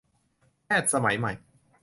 แพทย์สมัยใหม่